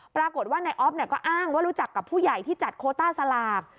ปรากฏว่านายอ๊อฟก็อ้างว่ารู้จักกับผู้ใหญ่ที่จัดโคต้าสลาก